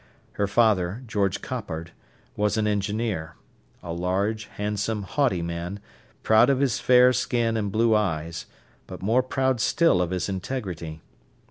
Her father, George Coppard, was an engineer—a large, handsome, haughty man, proud of his fair skin and blue eyes, but more proud still of his integrity.